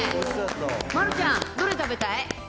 丸ちゃん、どれ食べたい？